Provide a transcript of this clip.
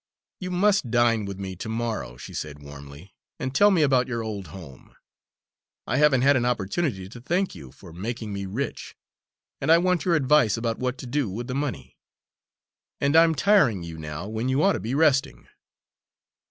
"You must dine with me to morrow," she said warmly, "and tell me about your old home. I haven't had an opportunity to thank you for making me rich, and I want your advice about what to do with the money; and I'm tiring you now when you ought to be resting."